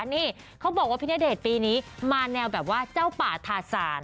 นี่เขาบอกว่าพี่ณเดชน์ปีนี้มาแนวแบบว่าเจ้าป่าทาสาร